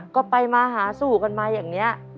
ก็ไปมาหาสู่กันมาอย่างนี้